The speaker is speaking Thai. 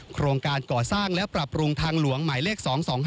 โครงการก่อสร้างและปรับปรุงทางหลวงหมายเลข๒๒๕๖